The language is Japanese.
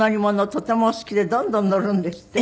とてもお好きでどんどん乗るんですって？